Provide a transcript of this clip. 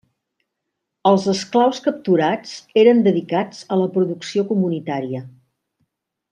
Els esclaus capturats eren dedicats a la producció comunitària.